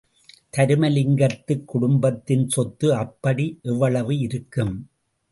தருமலிங்கத்து குடும்பத்தின் சொத்து அப்படி எவ்வளவு இருக்கும்?